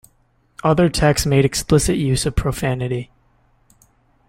Other texts made explicit use of profanity.